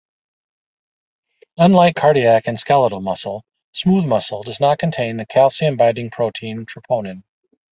Unlike cardiac and skeletal muscle, smooth muscle does not contain the calcium-binding protein troponin.